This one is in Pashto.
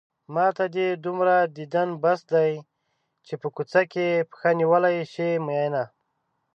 ماته دې دومره ديدن بس دی چې په کوڅه کې پښه نيولی شې مينه